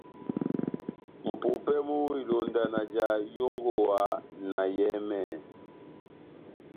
Mʼpumpɛ mú ilonda na jaha yongowa na yɛhɛmɛhɛ,